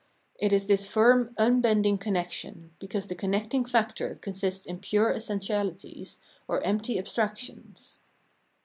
It is this firm unbending connexion, because the connecting factor consists in pure essentiahties or empty abstrac tions.